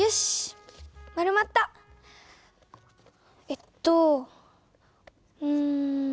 えっとうん。